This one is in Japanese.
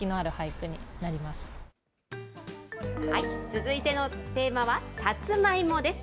続いてのテーマはさつまいもです。